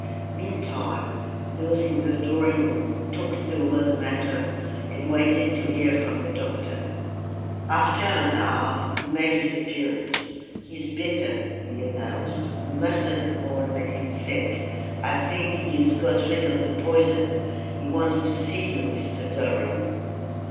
Meantime, those in the drawing room talked over the matter and waited to hear from the doctor. After an hour he made his appearance. "He is better," he announced; "the mustard and oil made him sick. I think he has got rid of the poison. He wants to see you, Mr. Durham."